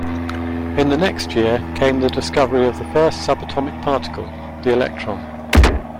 In the next year came the discovery of the first subatomic particle, the electron.